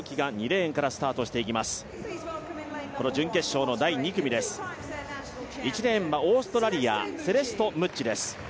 １レーンはオーストラリア、セレスト・ムッチです。